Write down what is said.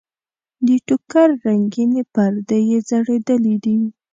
د ټوکر رنګینې پردې یې ځړېدلې دي.